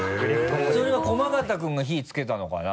それは駒形君が火をつけたのかな？